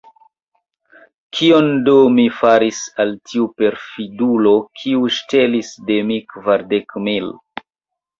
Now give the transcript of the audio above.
Kion do mi faris al tiu perfidulo, kiu ŝtelis de mi kvardek mil?